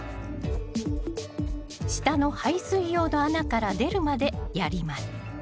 下の排水用の穴から出るまでやります